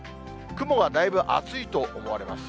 雲はだいぶ厚いと思われます。